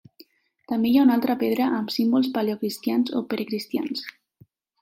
També hi ha una altra pedra amb símbols paleocristians o precristians.